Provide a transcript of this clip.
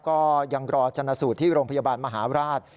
ก็ยังรอจนสูตรที่โรงพยาบาลมหาราช